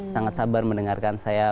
sangat sabar mendengarkan saya